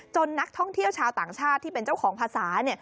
นักท่องเที่ยวชาวต่างชาติที่เป็นเจ้าของภาษา